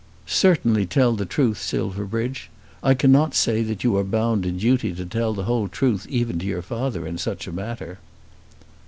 "Certainly tell the truth, Silverbridge. I cannot say that you are bound in duty to tell the whole truth even to your father in such a matter."